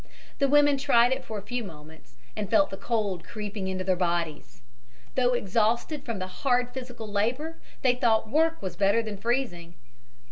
The women tried it for a few moments, and felt the cold creeping into their bodies. Though exhausted from the hard physical labor they thought work was better than freezing.